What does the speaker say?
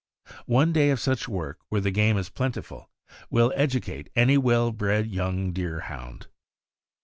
One day of such work, where the game is plentiful, will educate any well bred young Deerhound.